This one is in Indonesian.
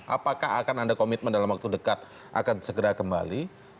apakah akan ada komitmen dalam waktu dekat akan segera kembali